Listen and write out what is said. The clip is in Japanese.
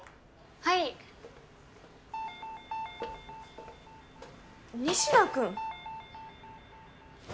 はい仁科君叶！